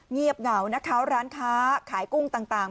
เงียบเหงานะคะร้านค้าขายกุ้งต่าง